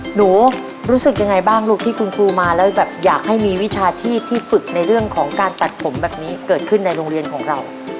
หนูรู้สึกยังไงบ้างลูกที่คุณครูมาแล้วแบบอยากให้มีวิชาชีพที่ฝึกในเรื่องของการตัดผมแบบนี้เกิดขึ้นในโรงเรียนของเรา